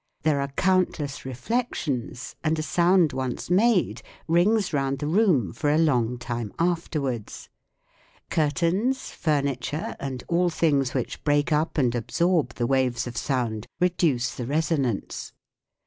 There are countless reflections, and a sound once made rings round the room for a long time afterwards. Curtains, furniture, and all things which break up and absorb the waves of sound reduce the resonance.